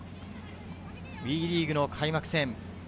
ＷＥリーグの開幕戦。